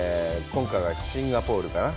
今回はシンガポールかな。